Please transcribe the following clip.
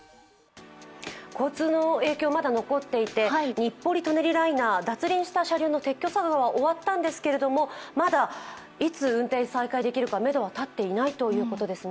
交通の影響はまだ残っていて、日暮里・舎人ライナー、脱輪した車輪の撤去作業は終わったんですけれどもまだいつ運転再開できるかめどは立っていないということですね。